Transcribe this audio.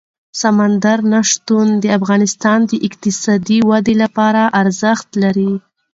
سمندر نه شتون د افغانستان د اقتصادي ودې لپاره ارزښت لري.